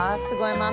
すごい。